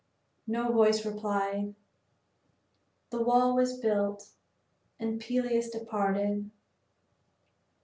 No voice replied. The wall was built, and Peleus departed.